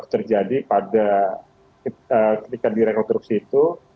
terjadi pada ketika direkonstruksi itu